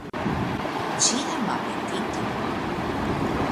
Ĉiam apetiton!